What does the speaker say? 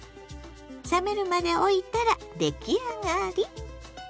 冷めるまでおいたら出来上がり。